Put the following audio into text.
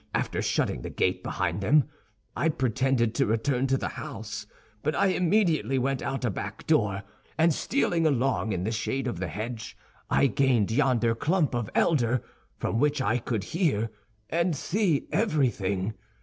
After shutting the gate behind them, I pretended to return to the house, but I immediately went out a back door, and stealing along in the shade of the hedge, I gained yonder clump of elder, from which I could hear and see everything.